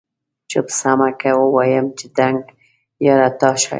چپ سمه که ووایم چي دنګه یاره تا ښایم؟